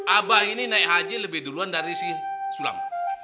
abah ini naik haji lebih duluan dari si sulam